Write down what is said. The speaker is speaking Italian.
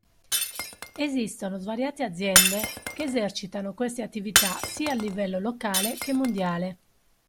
Esistono svariate aziende che esercitano queste attività sia a livello locale che mondiale.